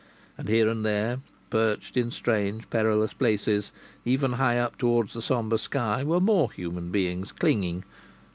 And here and there, perched in strange perilous places, even high up towards the sombre sky, were more human beings clinging.